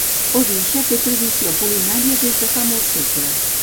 Odisha té tradició culinària des de fa molts segles.